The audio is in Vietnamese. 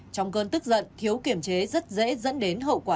trong cơn tức giận thiếu kiểm chế rất dễ dẫn đến hậu quả